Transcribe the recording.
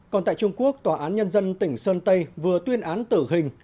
còn tại trung quốc tòa án nhân dân tỉnh sơn tây vừa tuyên án tử hình